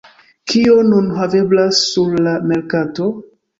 Kio nun haveblas sur la merkato?